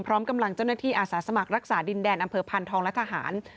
พร้อมกำลังเจ้าหน้าที่อาสาสมัครรักษาดินแดนอำเภอพานทองและทหาร